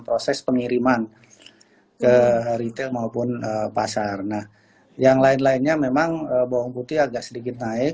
proses pengiriman ke retail maupun pasar nah yang lain lainnya memang bawang putih agak sedikit naik